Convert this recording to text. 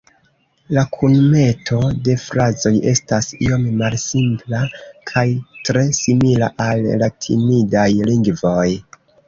La kunmeto de frazoj estas iom malsimpla kaj tre simila al latinidaj lingvoj.